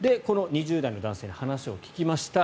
２０代の男性に話を聞きました。